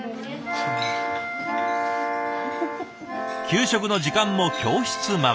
給食の時間も教室回り。